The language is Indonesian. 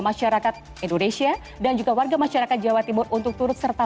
masyarakat indonesia dan juga warga masyarakat jawa timur untuk turut serta